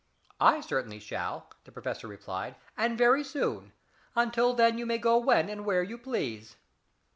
"I certainly shall," the professor replied. "And very soon. Until then you may go when and where you please."